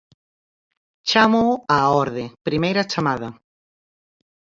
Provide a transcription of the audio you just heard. Chámoo á orde, primeira chamada.